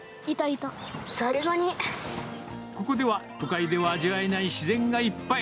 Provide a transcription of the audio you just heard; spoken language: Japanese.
ここでは都会では味わえない自然がいっぱい。